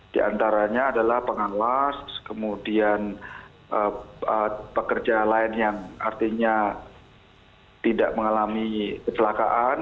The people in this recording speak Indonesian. di antaranya adalah pengawas kemudian pekerja lain yang artinya tidak mengalami kecelakaan